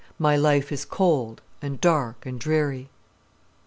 "MY LIFE IS COLD, AND DARK, AND DREARY."